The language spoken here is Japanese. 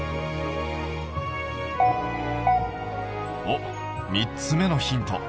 おっ３つ目のヒント。